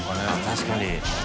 確かに。